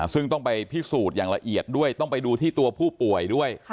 ซึ่งต้องไปพิสูจน์อย่างละเอียดด้วยต้องไปดูที่ตัวผู้ป่วยด้วย